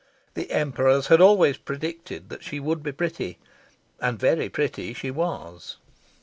The Emperors had always predicted that she would be pretty. And very pretty she was.